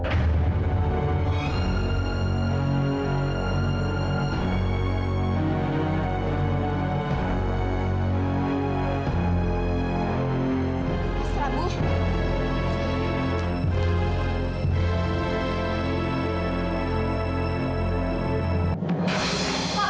baik devastating pun sudah goal